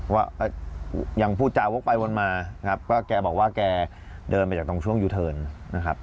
ว่ายังพูดจาวกไปวนมานะครับก็แกบอกว่าแกเดินมาจากตรงช่วงยูเทิร์นนะครับ